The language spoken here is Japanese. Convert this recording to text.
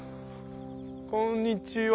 こんにちは。